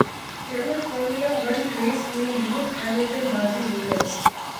German formula one race میں Lewis Hamilton بازی لے گئے